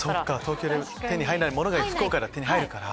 東京で手に入らないものが福岡では手に入るから。